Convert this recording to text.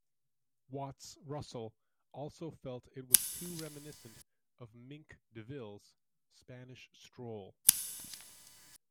Watts-Russell also felt it was too reminiscent of Mink DeVille's "Spanish Stroll".